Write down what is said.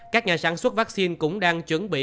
các nhà sản xuất vaccine cũng đang chuẩn bị